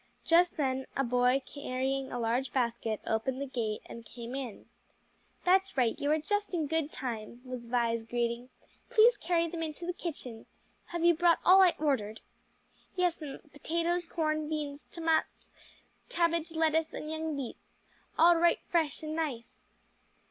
Just then a boy carrying a large basket opened the gate and came in. "That's right, you are just in good time," was Vi's greeting. "Please carry them into the kitchen. Have you brought all I ordered?" "Yes'm; potatoes, corn, beans, tomats, cabbage, lettuce, and young beets. All right fresh and nice."